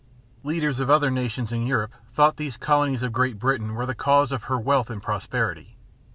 Leaders of other nations in Europe thought these colonies of Great Britain were the cause of her wealth and prosperity.